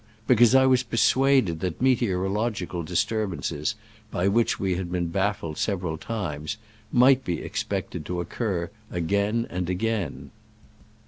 Because I was persuaded that meteorological disturbances (by which we had been baffled several times) might be expected to occur again and again.